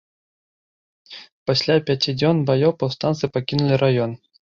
Пасля пяці дзён баёў паўстанцы пакінулі раён.